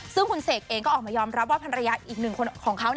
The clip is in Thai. ซึ่งคุณเสกเองก็ออกมายอมรับว่าภรรยาอีกหนึ่งคนของเขา